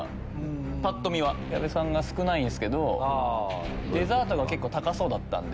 ぱっと見は矢部さんが少ないんすけどデザートが高そうだったんで。